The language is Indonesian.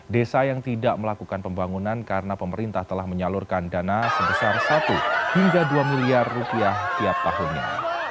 desa yang tidak melakukan pembangunan karena pemerintah telah menyalurkan dana sebesar satu hingga dua miliar rupiah tiap tahunnya